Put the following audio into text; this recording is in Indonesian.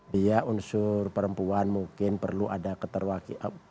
dia unsur perempuan mungkin perlu ada keterwakilan